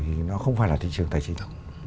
thì nó không phải là thị trường tài chính